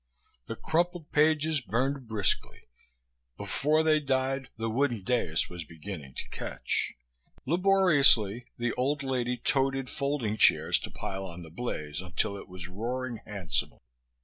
The crumpled pages burned briskly. Before they died the wooden dais was beginning to catch. Laboriously the old lady toted folding chairs to pile on the blaze until it was roaring handsomely.